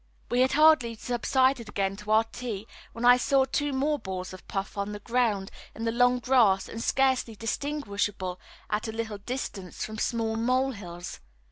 We had hardly subsided again to our tea when I saw two more balls of fluff on the ground in the long grass and scarcely distinguishable at a little distance from small mole hills.